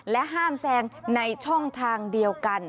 ห้ามแซงในช่องทางเดียวกัน